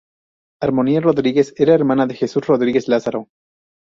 Armonía Rodríguez era hermana de Jesús Rodríguez Lázaro.